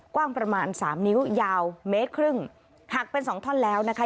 กว้างประมาณสามนิ้วยาวเมตรครึ่งหักเป็นสองท่อนแล้วนะคะ